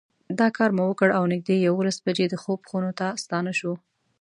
دا کار مو وکړ او نږدې یوولس بجې د خوب خونو ته ستانه شوو.